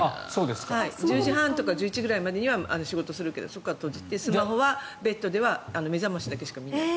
１０時半とか１１時くらいまでは仕事するけどそこからは閉じて、スマホはベッドでは目覚まししか見ない。